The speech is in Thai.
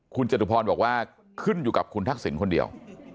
คุณจตุพรบอกว่าขึ้นอยู่กับคุณทักษิณคนเดียว